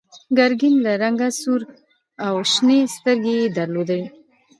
ګرګین له رنګه سور و او شنې سترګې یې درلودې.